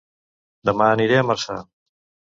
Dema aniré a Marçà